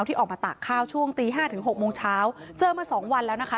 ที่ออกมาตากข้าวช่วงตีห้าถึงหกโมงเช้าเจอมาสองวันแล้วนะคะ